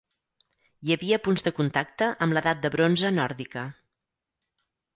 Hi havia punts de contacte amb l'Edat de Bronze nòrdica.